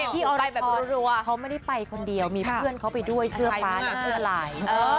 พี่อรชรเค้าไม่ได้ไปคนเดียวมีเพื่อนเค้าไปด้วยเสื้อปลาและเสื้อไหล่